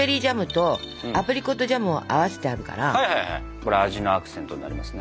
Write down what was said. これ味のアクセントになりますね。